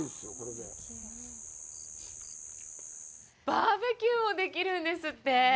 バーベキューもできるんですって。